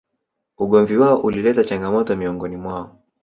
Ugomvi wao ulileta changamoto miongoni mwao